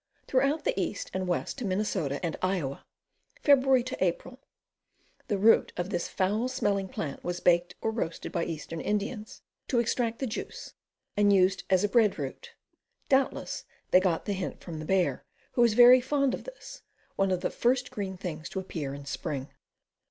Throughout the east, and west to Minn, and Iowa. Feb. April. The root of this foul smelling plant was baked or roasted by eastern Indians, to extract the juice, and used as a bread root. Doubtless they got the hint from the bear, who is very fond of this, one of the first green things to appear in spring.